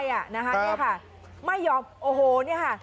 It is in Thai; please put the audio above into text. ของวัดไปน่ะค่ะนี่ค่ะไม่ยอมโอ้โหเนี่ยค่ะ